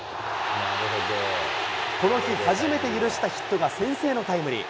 この日、初めて許したヒットが先制のタイムリー。